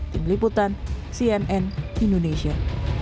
tim liputan cnn indonesia